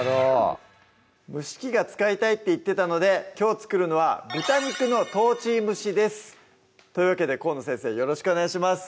「蒸し器が使いたい」って言ってたのできょう作るのは「豚肉のトウチー蒸し」ですというわけで河野先生よろしくお願いします